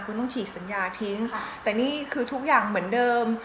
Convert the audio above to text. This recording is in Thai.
คุณต้องฉีดสัญญาคือทุกอย่างเหมือนเดิม